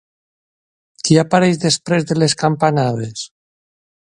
Qui apareixeria després de les campanades?